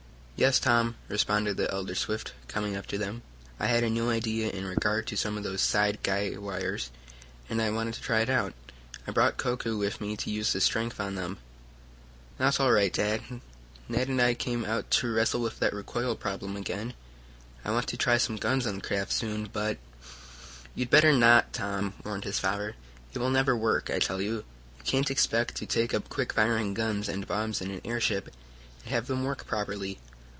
"Yes, Tom," responded the elder Swift, coming up to them, "I had a new idea in regard to some of those side guy wires, and I wanted to try it out. I brought Koku with me to use his strength on some of them." "That's all right, Dad. Ned and I came out to wrestle with that recoil problem again. I want to try some guns on the craft soon, but " "You'd better not, Tom," warned his father. "It will never work, I tell you. You can't expect to take up quick firing guns and bombs in an airship, and have them work properly.